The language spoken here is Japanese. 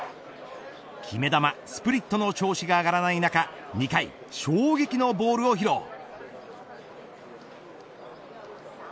決め球スプリットの調子が上がらない中２回、衝撃のボールを披露。